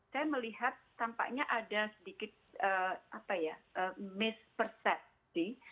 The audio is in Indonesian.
saya melihat tampaknya ada sedikit mispersepsi